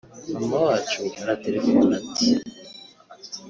mama wacu aratelefona ati